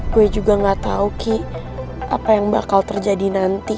gue juga gak tahu ki apa yang bakal terjadi nanti